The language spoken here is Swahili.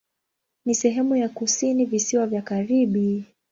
Ni sehemu ya kusini Visiwa vya Karibi.